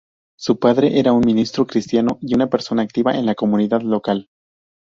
Su padre era un ministro cristiano y una persona activa en la comunidad local.